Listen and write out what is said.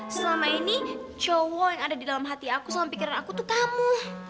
selama ini cowok yang ada di dalam hati aku selama pikiran aku tuh kamu